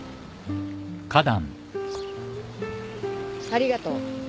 ありがとう。